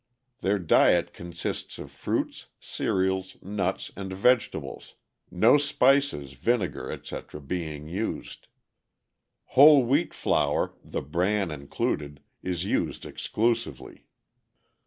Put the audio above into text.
Their diet consists of fruits, cereals, nuts, and vegetables, no spices, vinegar, etc., being used. Whole wheat flour, the bran included, is used exclusively.